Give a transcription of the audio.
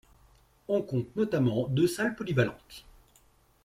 On compte notamment deux salles polyvalentes.